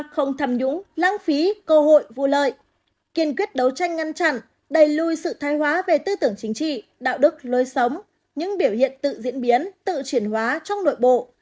không tham nhũng lãng phí cơ hội vụ lợi kiên quyết đấu tranh ngăn chặn đẩy lùi sự thay hóa về tư tưởng chính trị đạo đức lối sống những biểu hiện tự diễn biến tự chuyển hóa trong nội bộ